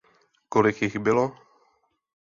Kolik jich bylo?